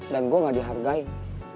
dan gue gak dihargain